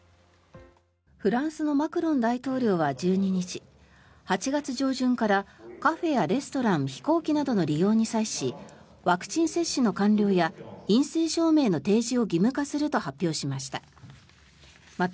フランスのマクロン大統領は１２日８月上旬からカフェやレストラン飛行機などの利用に際しワクチン接種の完了や陰性証明の提示を義務化すると発表しました。